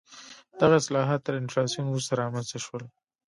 دغه اصلاحات تر انفلاسیون وروسته رامنځته شول.